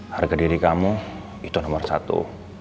harga diri kamu itu nomor satu